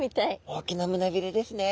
大きな胸びれですね。